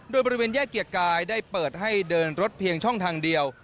โดยบริเวณแยกเกียรติกายได้เปิดให้เดินรถเพียงช่องทางเดียว